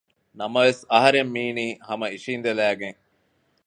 ނަމަވެސް އަހަރެން މީނީ ހަމަ އިށިއިނދެލައިގެން